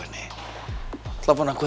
adelina masih ngambak sama aku ya